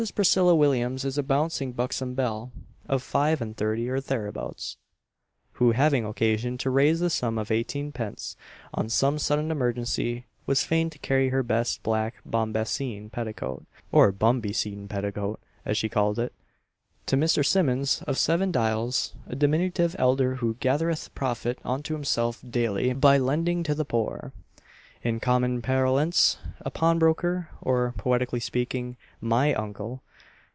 Priscilla Williams is a bouncing buxom belle, of five and thirty or thereabouts, who, having occasion to raise the sum of eighteen pence on some sudden emergency, was fain to carry her best black bombasine petticoat or bum be seen petticoat, as she called it to Mr. Simmons, of Seven Dials, a diminutive elder, who gathereth profit unto himself daily, by lending to the poor: in common parlance, a pawnbroker; or, poetically speaking, "_My Uncle!